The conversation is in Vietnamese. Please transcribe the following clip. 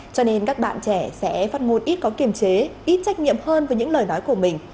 cho nên các bạn trẻ sẽ phát ngôn ít có kiềm chế ít trách nhiệm hơn với những lời nói của mình